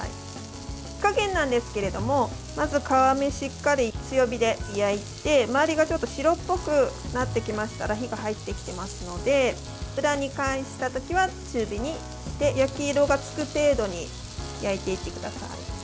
火加減なんですが皮目をしっかり強火で焼いて周りが白っぽくなってきましたら火が入ってきてますので裏に返した時は中火にして焼き色がつく程度に焼いていってください。